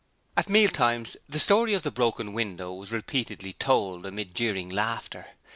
At mealtimes the story of the broken window was repeatedly told amid jeering laughter.